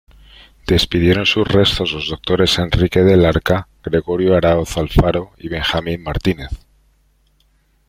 Despidieron sus restos los doctores Enrique del Arca, Gregorio Aráoz Alfaro y Benjamín Martínez.